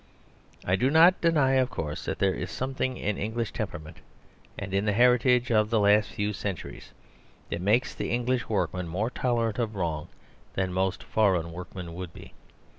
I do not deny, of course, that there is something in the English temperament, and in the heritage of the last few centuries that makes the English workman more tolerant of wrong than most foreign workmen would be.